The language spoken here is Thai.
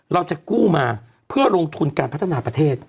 เราจะกู้มาเพื่อลงทุนการพัฒนาประเทศ